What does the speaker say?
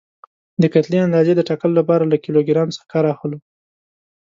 د کتلې اندازې د ټاکلو لپاره له کیلو ګرام څخه کار اخلو.